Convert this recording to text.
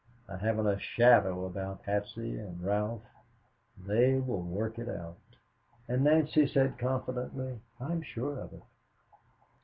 I haven't a shadow about Patsy and Ralph. They will work it out." And Nancy said confidently, "I am sure of it."